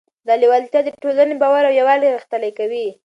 دا لیوالتیا د ټولنې باور او یووالی غښتلی کوي.